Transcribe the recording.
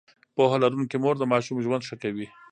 پوهه لرونکې مور د ماشوم ژوند ښه کوي.